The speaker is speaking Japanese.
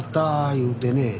言うてねえ。